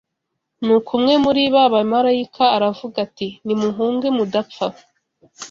Nuko umwe muri ba bamarayika aravuga ati nimuhunge mudapfa